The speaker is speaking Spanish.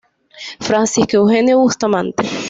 Francisco Eugenio Bustamante.